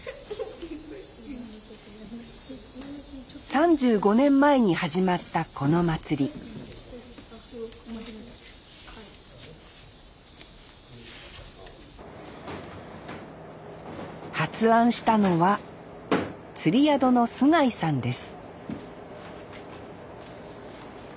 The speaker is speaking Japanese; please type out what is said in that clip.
３５年前に始まったこの祭り発案したのは釣り宿の須貝さんです